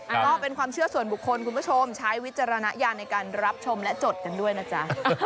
ก็เป็นความเชื่อส่วนบุคคลคุณผู้ชมใช้วิจารณญาณในการรับชมและจดกันด้วยนะจ๊ะ